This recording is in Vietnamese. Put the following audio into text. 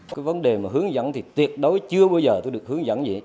cái vấn đề mà hướng dẫn thì tuyệt đối chưa bao giờ tôi được hướng dẫn gì